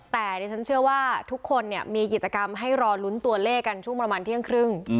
แต่ดิฉันเชื่อว่าทุกคนเนี่ยมีกิจกรรมให้รอลุ้นตัวเลขกันช่วงประมาณเที่ยงครึ่ง